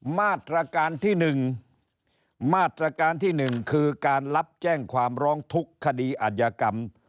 มาตรการที่๑มาตรการที่๑คือการรับแจ้งความร้องทุกข์คดีอาจยากรรม